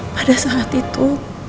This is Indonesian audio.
pada saat itu